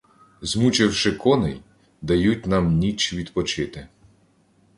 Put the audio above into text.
Змучивши коней, дають нам ніч відпочити.